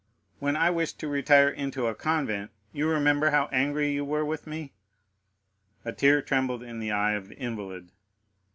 "When I wished to retire into a convent, you remember how angry you were with me?" A tear trembled in the eye of the invalid.